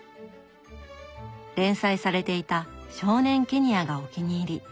連載されていた「少年ケニヤ」がお気に入り。